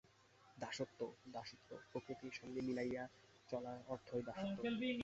দাসত্ব, দাসত্ব! প্রকৃতির সঙ্গে মিলাইয়া চলার অর্থই দাসত্ব।